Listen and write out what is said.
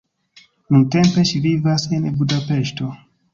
Nuntempe ŝi vivas en Budapeŝto.